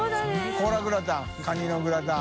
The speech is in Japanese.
甲羅グラタンカニのグラタン。